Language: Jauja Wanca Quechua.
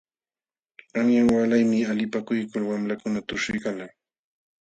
Qanyan walaymi qalipakuykul wamlakuna tushuykalqa.